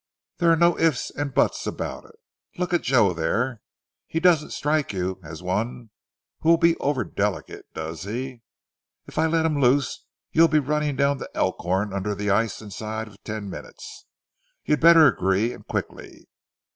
There are no ifs and buts about it. Look at Joe there. He doesn't strike you as one who will be over delicate, does he? If I let him loose you'll be running down the Elkhorn under the ice inside ten minutes. You'd better agree and quickly.